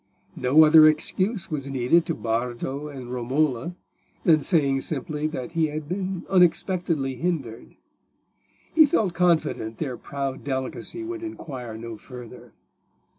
No other excuse was needed to Bardo and Romola than saying simply that he had been unexpectedly hindered; he felt confident their proud delicacy would inquire no farther.